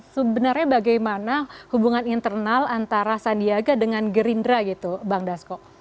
sebenarnya bagaimana hubungan internal antara sandiaga dengan gerindra gitu bang dasko